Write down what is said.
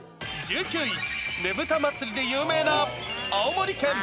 １９位、ねぶた祭で有名な青森県。